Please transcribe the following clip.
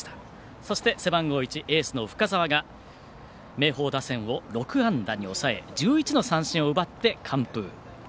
そして、背番号１エースの深沢が明豊打線を６安打に抑え１１の三振を奪って完封。